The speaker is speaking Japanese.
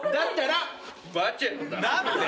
何で？